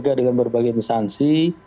ppatk dengan berbagai insansi